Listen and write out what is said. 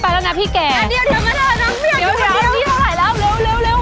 เอาไม้นี่ลอง